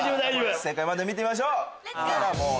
正解まで見てみましょう。